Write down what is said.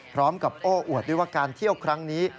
พร้อมกับโอ้อวดด้วยว่าการเที่ยวครั้งนี้